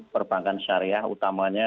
perbankan syariah utamanya